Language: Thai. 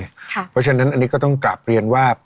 เพราะฉะนั้นอันนี้ก็ต้องกลับเรียนว่า